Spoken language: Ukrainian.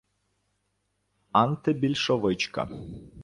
антибільшовичка